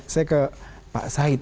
saya ke pak said